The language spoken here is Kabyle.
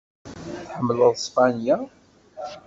Tḥemmleḍ Spanya?